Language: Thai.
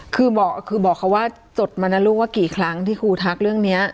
คือบอกเขาว่าจดมานะลูกว่ากี่ครั้งที่ครูทักเรื่องนี้